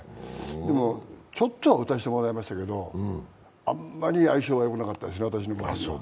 でも、ちょっとは打たせてもらいましたけどあんまり相性はよくなかったですね、私の場合。